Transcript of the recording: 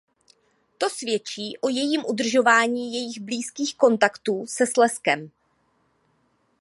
To svědčí o jejím udržování jejich blízkých kontaktů se Slezskem.